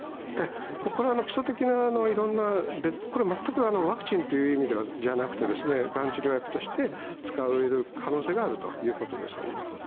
これは基礎的ないろんな、全くワクチンという意味じゃなくて、がん治療薬として使える可能性があるということですよね。